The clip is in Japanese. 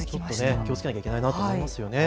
気をつけなきゃいけないなと思いますよね。